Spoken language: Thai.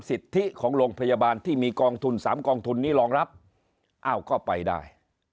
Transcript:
สิทธิของโรงพยาบาลที่มีกองทุน๓กองทุนนี้รองรับอ้าวก็ไปได้